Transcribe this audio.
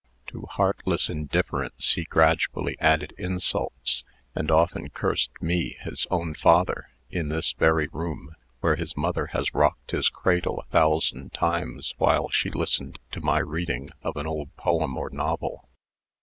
"To heartless indifference he gradually added insults, and often cursed me, his own father, in this very room, where his mother has rocked his cradle a thousand times while she listened to my reading of an old poem or novel.